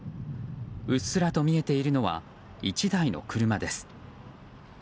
うっすらと見えているのは１台の車です。